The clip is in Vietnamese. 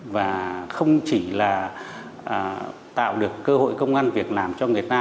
và không chỉ là tạo được cơ hội công an việc làm cho người ta